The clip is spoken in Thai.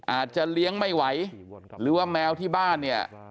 อาจจะเลี้ยงไม่ไหวหรือว่าแมวที่บ้านเนี่ย